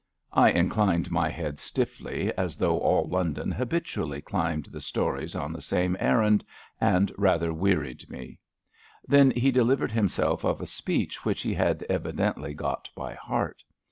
I inclined my head stiffly, as though all London habitually climbed the storeys on the same errand and rather wearied me. Then he delivered himself of a speech which he had evidently got by heart.